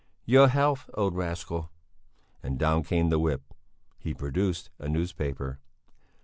"Your health, old rascal!" And down came the whip. He produced a newspaper.